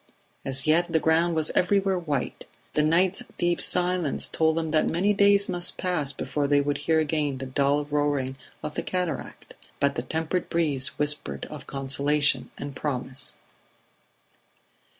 As yet the ground was everywhere white; the night's deep silence told them that many days must pass before they would hear again the dull roaring of the cataract; but the tempered breeze whispered of consolation and promise.